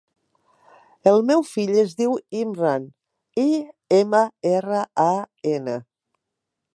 El meu fill es diu Imran: i, ema, erra, a, ena.